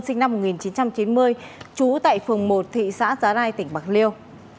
sinh năm một nghìn chín trăm chín mươi trú tại phường một thị xã giá rai tỉnh bạc liêu